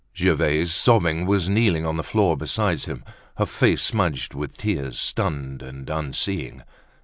Gervaise, sobbing, was kneeling on the floor beside him, her face smudged with tears, stunned and unseeing.